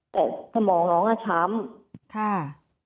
แต่สมองน้องช้ำ